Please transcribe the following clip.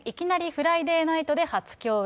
フライデーナイトで初共演。